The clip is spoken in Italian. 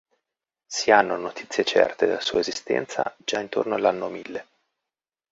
Si hanno notizie certe della sua esistenza già intorno all'anno mille.